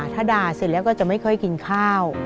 ถ้าด่าเสร็จแล้วก็จะไม่ค่อยกินข้าว